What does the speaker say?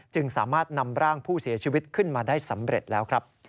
จึงสามารถนำร่างผู้เสียชีวิตขึ้นมาได้สำเร็จแล้วครับ